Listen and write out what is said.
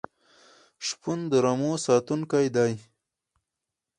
شپون د رمو ساتونکی دی.